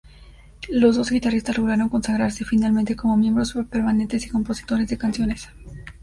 Los dos guitarristas lograron consagrarse finalmente como miembros permanentes y compositores de canciones.